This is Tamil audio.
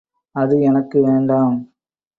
அது எனக்கு வேண்டாம்.